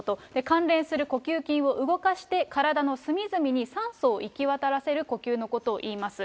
関連する呼吸筋を動かして、体の隅々に酸素を行き渡らせる呼吸のことをいいます。